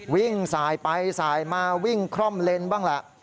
วิ่งสายไปสายมาวิ่งคร่อมเลนบ้างแหละ